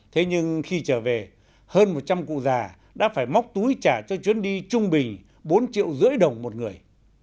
thế nhưng khi trở về hơn một trăm linh cụ già đã phải móc túi trả cho chuyến đi trung bình bốn triệu rưỡi đồng một người